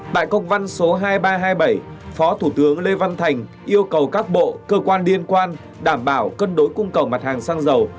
tại công văn số hai nghìn ba trăm hai mươi bảy phó thủ tướng lê văn thành yêu cầu các bộ cơ quan liên quan đảm bảo cân đối cung cầu mặt hàng xăng dầu